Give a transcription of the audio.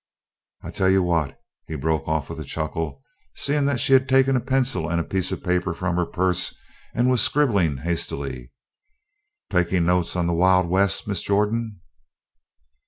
"I tell you what " he broke off with a chuckle, seeing that she had taken a pencil and a piece of paper from her purse and was scribbling hastily: "Taking notes on the Wild West, Miss Jordan?"